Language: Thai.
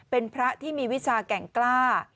เป็นพระที่มีวิชาแก่งกล้า